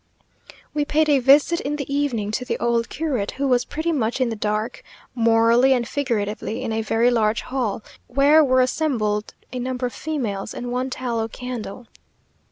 We paid a visit in the evening to the old curate, who was pretty much in the dark, morally and figuratively, in a very large hall, where were assembled a number of females, and one tallow candle.